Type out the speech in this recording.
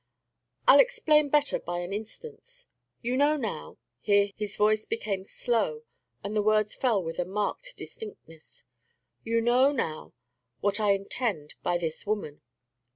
"I'll explain better by an instance. You know now," here his voice became slow, and the words fell with a marked distinctness, "you know now what I intend by this woman.